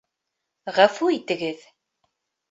Ғәфү итегеҙ...